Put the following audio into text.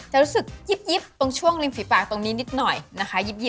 รู้สึกยิบตรงช่วงริมฝีปากตรงนี้นิดหน่อยนะคะ